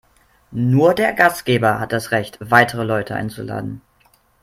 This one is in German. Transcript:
Nur der Gastgeber hat das Recht, weitere Leute einzuladen.